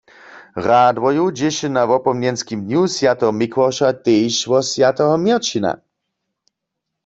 W Radworju dźěše na wopomnjenskim dnju swjateho Mikławša tež wo swjateho Měrćina.